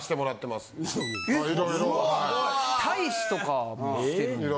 大使とかもしてるんや。